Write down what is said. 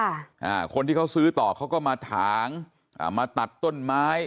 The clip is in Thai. อ่าคนที่เขาซื้อต่อเขาก็มาถางอ่ามาตัดต้นไม้